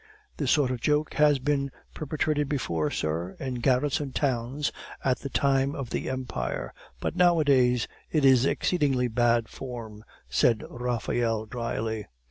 "This sort of joke has been perpetrated before, sir, in garrison towns at the time of the Empire; but nowadays it is exceedingly bad form," said Raphael drily.